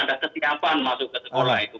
ada kesiapan masuk ke sekolah itu